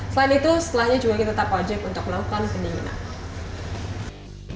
selain itu setelahnya juga kita tetap wajib untuk melakukan pendinginan